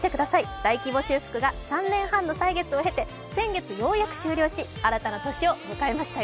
大規模修復が３年半の歳月を経て先月ようやく終了し新たな年を迎えましたよ。